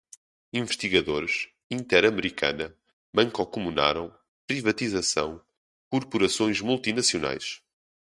investigadores, interamericana, mancomunaram, privatização, corporações multinacionais